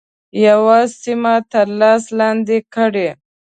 یوه سیمه تر لاس لاندي کړي.